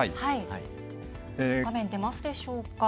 画面、出ますでしょうか？